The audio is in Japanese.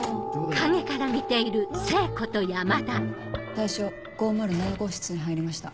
対象５０７号室に入りました。